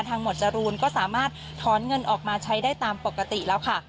หมวดจรูนก็สามารถถอนเงินออกมาใช้ได้ตามปกติแล้วค่ะ